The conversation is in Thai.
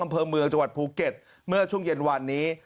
อำเภอเมืองจังหวัดภูเก็ตเมื่อช่วงเย็นวันนี้